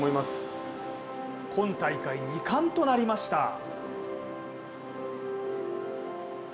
今大会２冠となりました。